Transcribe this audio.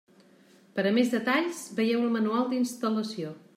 Per a més detalls, veieu el Manual d'instal·lació.